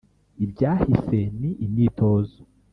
ibyahise ni imyitozo.